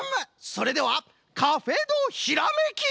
それでは「カフェドひらめき」！